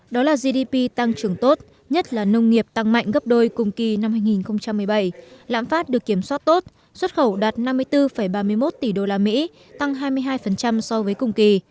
đó là gdp tăng trưởng tốt nhất là nông nghiệp tăng mạnh gấp đôi cùng kỳ năm hai nghìn một mươi bảy lãm phát được kiểm soát tốt xuất khẩu đạt năm mươi bốn ba mươi một tỷ usd tăng hai mươi hai so với cùng kỳ